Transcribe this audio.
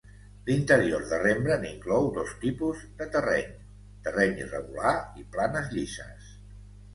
L'interior de Rembrandt inclou dos tipus de terreny: terreny irregular i planes llises.